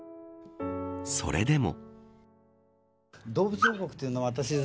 それでも。